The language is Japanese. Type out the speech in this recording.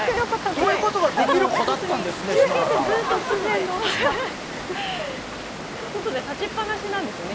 こういうことができる子だったんですね。